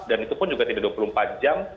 dan itu pun juga tidak dua puluh empat jam